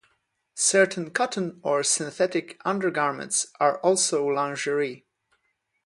Certain cotton or synthetic undergarments are also lingerie.